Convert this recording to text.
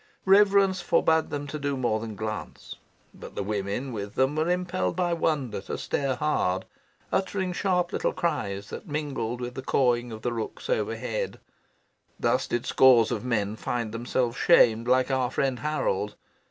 Reverence forbade them to do more than glance. But the women with them were impelled by wonder to stare hard, uttering sharp little cries that mingled with the cawing of the rooks overhead. Thus did scores of men find themselves shamed like our friend Harold.